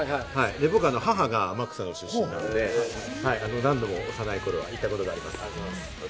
僕、母が天草の出身なので、何度も幼い頃は行ったことがあります。